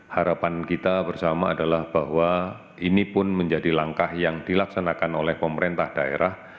harapan kita bersama adalah bahwa ini pun menjadi langkah yang dilaksanakan oleh pemerintah daerah